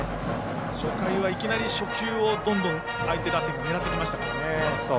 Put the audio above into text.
初回はいきなり初球をどんどん相手打線が狙ってきましたからね。